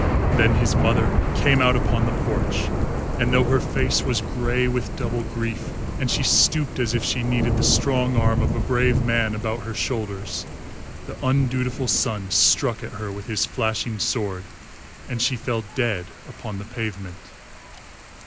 Then his mother came out upon the porch, and though her face was grey with double grief and she stooped as if she needed the strong arm of a brave man about her shoulders, the undutiful son struck at her with his flashing sword and she fell dead upon the pavement.